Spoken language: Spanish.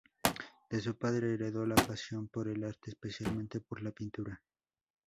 De su padre heredó la pasión por el arte, especialmente por la pintura.